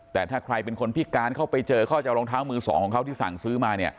แต่ถ้าใครเป็นคนพิการเข้าไปเจอเขาจะเอารองเท้ามือสองของเขาที่สั่งซื้อมา